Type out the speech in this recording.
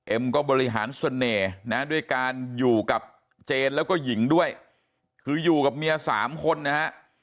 ก็บริหารเสน่ห์นะด้วยการอยู่กับเจนแล้วก็หญิงด้วยคืออยู่กับเมียสามคนนะฮะ